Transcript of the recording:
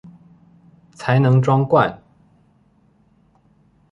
才能裝罐